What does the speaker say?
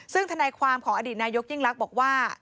ซึ่งธนายความของอดีตนายกยิ่งลักษณ์บอกว่า